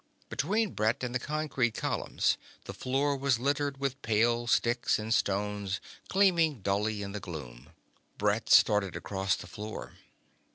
Between Brett and the concrete columns the floor was littered with pale sticks and stones, gleaming dully in the gloom. Brett started across the floor.